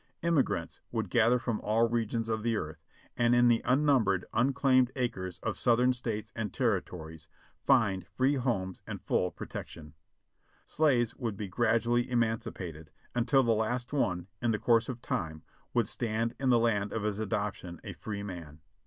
Emigrants would gather from all regions of the earth, and in the unnumbered, unclaimed acres of Southern States and Territories, find free homes and full protection. Slaves would be gradually 520 JOHNNY REB AND BIEIvY YANK emancipated, until the last one, in the course of time, would stand in the land of his adoption a free man.